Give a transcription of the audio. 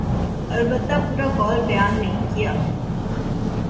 البتہ پورا قول بیان نہیں کیا۔